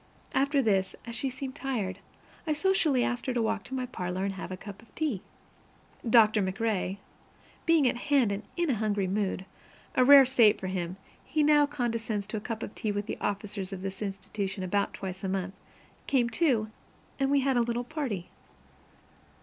After this, as she seemed tired, I socially asked her to walk into my parlor and have a cup of tea. Doctor MacRae, being at hand and in a hungry mood (a rare state for him; he now condescends to a cup of tea with the officers of this institution about twice a month), came, too, and we had a little party.